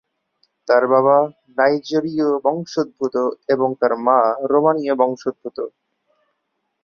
তার বাবা নাইজেরীয় বংশোদ্ভূত এবং তার মা রোমানীয় বংশোদ্ভূত।